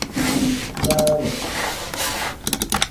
Daaru.